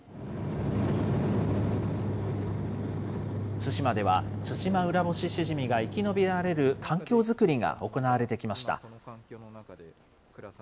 対馬ではツシマウラボシシジミが生き延びられる環境作りが行われてきました。